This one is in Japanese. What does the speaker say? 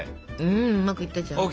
んうまくいったじゃない。